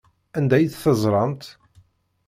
Anda ay tt-teẓramt?